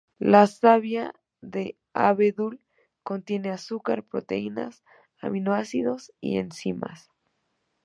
La savia de abedul contiene azúcar, proteínas, aminoácidos, y enzimas.